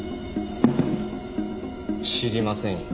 知りませんよ。